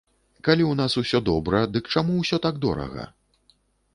Калі ў нас усё добра, дык чаму ўсё так дорага?